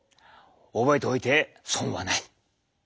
覚えておいて損はない！